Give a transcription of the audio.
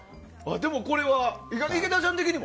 でも、これは池田ちゃん的にも？